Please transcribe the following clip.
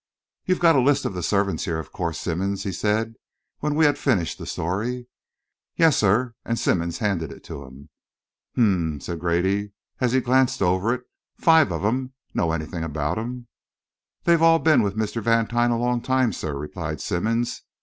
"You've got a list of the servants here, of course, Simmonds," he said, when we had finished the story. "Yes, sir," and Simmonds handed it to him. "H m," said Grady, as he glanced it over. "Five of 'em. Know anything about 'em?" "They've all been with Mr. Vantine a long time, sir," replied Simmonds.